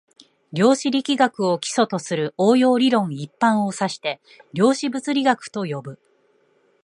量子力学を基礎とする応用理論一般を指して量子物理学と呼ぶ